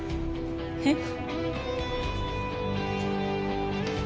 えっ？